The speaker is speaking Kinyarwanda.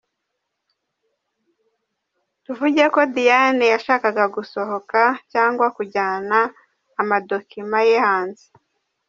Tuvugeko Diane yashakaga gusohoka cyangwa kujyana amadocuments ye hanze.